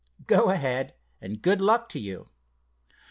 Go ahead, and good luck to you!"